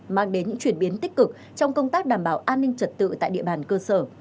mang đến những chuyển biến tích cực trong công tác đảm bảo an ninh trật tự tại địa bàn cơ sở